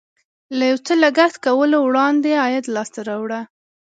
د یو څه لګښت کولو وړاندې عاید لاسته راوړه.